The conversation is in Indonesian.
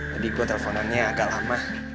tadi gue teleponannya agak lama